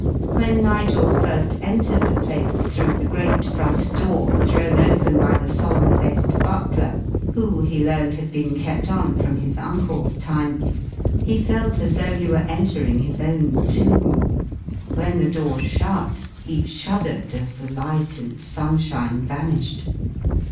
When Nigel first entered the place through the great front door thrown open by the solemn faced butler, who he learned had been kept on from his uncle's time, he felt as though he were entering his own tomb. When the door shut he shuddered as the light and sunshine vanished.